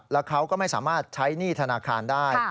แล้วเขาก็ไม่สามารถใช้หนี้ธนาคารได้